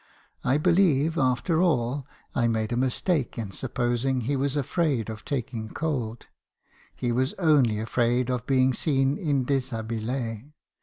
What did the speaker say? I believe, after all, I made a mistake in supposing he was afraid of taking cold; he was only afraid of being seen in dishabille.